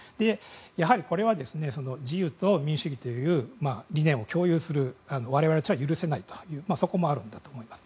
やはり、これは自由と民主主義という理念を共有するのは許せないというところがあるんだと思います。